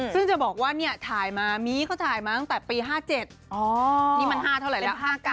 ซึ่งจะบอกว่าเนี่ยถ่ายมามีเขาถ่ายมาตั้งแต่ปี๕๗นี่มัน๕เท่าไหรแล้ว๕๙